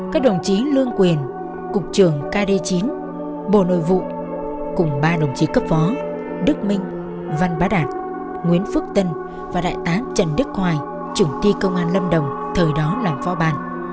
các đồng chí lương quyền cục trưởng kd chín bộ nội vụ cùng ba đồng chí cấp phó đức minh văn bá đạt nguyễn phước tân và đại tá trần đức hoài trưởng ti công an lâm đồng thời đó làm phó bàn